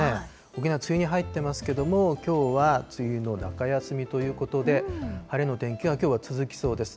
沖縄、梅雨に入ってますけれども、きょうは梅雨の中休みということで、晴れの天気がきょうは続きそうです。